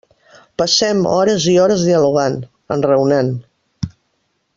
Passem hores i hores dialogant, enraonant.